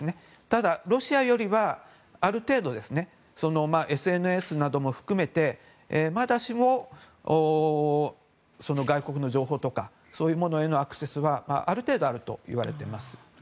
ただ、ロシアよりはある程度ＳＮＳなども含めてまだしも外国の情報とかそういうものへのアクセスはある程度あるといわれています。